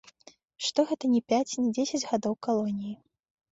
Што гэта не пяць, не дзесяць гадоў калоніі.